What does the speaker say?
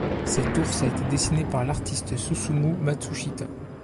Cet ours a été dessiné par l'artiste Susumu Matsushita.